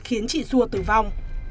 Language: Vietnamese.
khiến chị xua tử vong